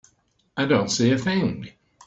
I don't see a thing.